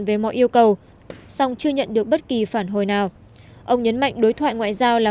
về mọi yêu cầu song chưa nhận được bất kỳ phản hồi nào ông nhấn mạnh đối thoại ngoại giao là